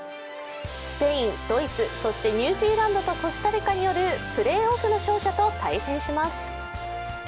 スペイン、ドイツ、そしてニュージーランドとコスタリカによるプレーオフの勝者と対戦します。